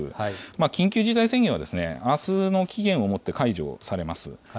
緊急事態宣言はあすの期限をもって解除されます。